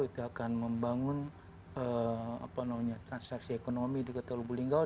kita akan membangun apa namanya transaksi ekonomi di kota lubuk linggal